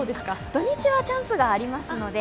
土日はチャンスがありますので。